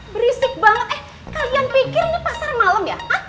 berisik banget eh kalian pikir ini pasar malam ya